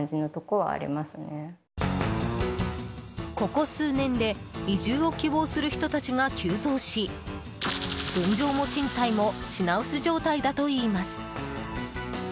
ここ数年で移住を希望する人たちが急増し分譲も賃貸も品薄状態だといいます。